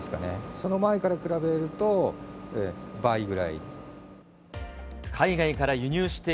その前から比べると、倍ぐらい。